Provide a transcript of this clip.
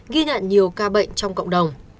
ghi nhận nhiều ca bệnh trong cộng đồng